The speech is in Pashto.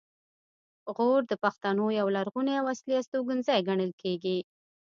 غور د پښتنو یو لرغونی او اصلي استوګنځی ګڼل کیږي